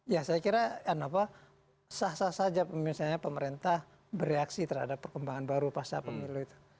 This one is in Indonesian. ya saya kira sah sah saja misalnya pemerintah bereaksi terhadap perkembangan baru pasca pemilu itu